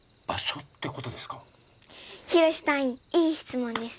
ヒロシ隊員いい質問です。